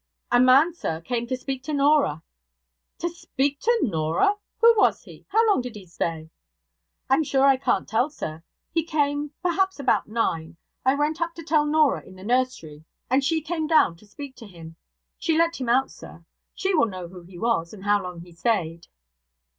'A man, sir, came to speak to Norah.' 'To speak to Norah! Who was he? How long did he stay?' 'I'm sure I can't tell, sir. He came perhaps about nine. I went up to tell Norah in the nursery, and she came down to speak to him. She let him out, sir. She will know who he was, and how long he stayed.'